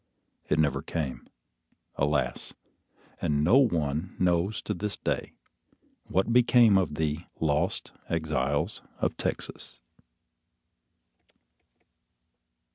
It never came, alas, and no one knows to this day what became of the Lost Exiles of Texas!